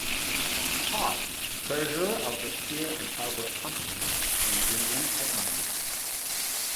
Cobb (Treasurer of the Pier and Harbour Company) and William Edmunds.